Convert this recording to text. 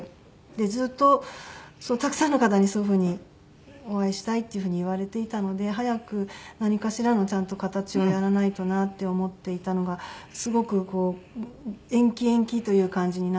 ずっとたくさんの方にそういうふうにお会いしたいというふうに言われていたので早く何かしらのちゃんと形をやらないとなって思っていたのがすごく延期延期という感じになってしまっていたので。